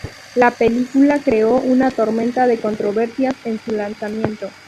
La película creó una tormenta de controversias en su lanzamiento.